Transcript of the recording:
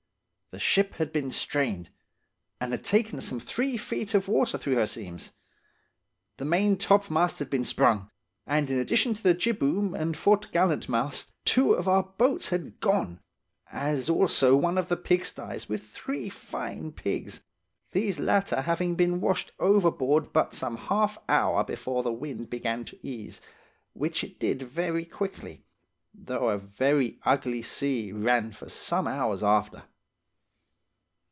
The ship had been strained, and had taken some three feet of water through her seams; the maintopmast had been sprung, in addition to the jibboom and foret'gallantmast, two of our boats had gone, as also one of the pigstys, with three fine pigs, these latter having been washed overboard but some half hour before the wind began to ease, which it did very quickly, though a very ugly sea ran for some hours after.